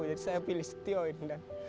jadi saya pilih setio ini